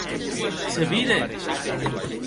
Se vire!